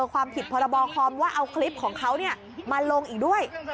ความผิดพรบคอมว่าเอาคลิปของเขามาลงอีกด้วย